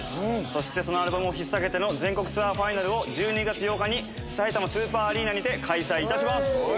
そしてそのアルバムを引っ提げて全国ツアーファイナルを１２月８日にさいたまスーパーアリーナにて開催します。